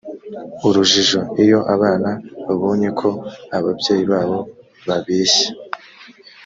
urujijo iyo abana babonye ko ababyeyi babo babeshya